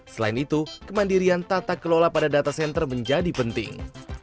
selain itu kemandirian tata kelola pada data center menjadi penting